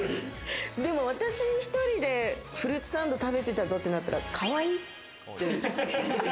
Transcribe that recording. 私１人でフルーツサンド食べてたぞってなったら、かわいいって。